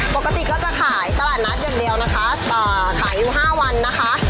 ปกติก็จะขายตลาดนัดอย่างเดียวนะคะขายอยู่๕วันนะคะ